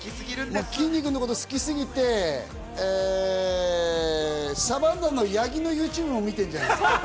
きんに君のこと好きすぎて、サバンナの八木のＹｏｕＴｕｂｅ見ているんじゃないの？